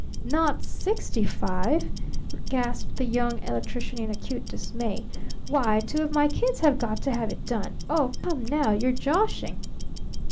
"Not sixty five?" gasped the Young Electrician in acute dismay. "Why, two of my kids have got to have it done! Oh, come now you're joshing!"